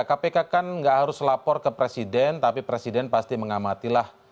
kpk kan nggak harus lapor ke presiden tapi presiden pasti mengamatilah